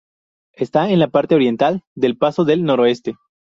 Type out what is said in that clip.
Está en la parte oriental del Paso del Noroeste.